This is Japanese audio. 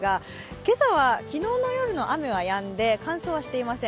今朝は昨日の夜の雨はやんで乾燥はしていません。